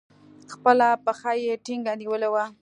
خپله پښه يې ټينگه نيولې وه.